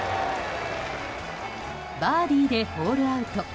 バーディーでホールアウト。